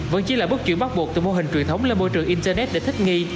vẫn chỉ là bước chuyển bắt buộc từ mô hình truyền thống lên môi trường internet để thích nghi